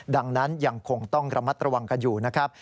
ดังนั้นยังคงต้องระมัดระวังกันอยู่นะครับ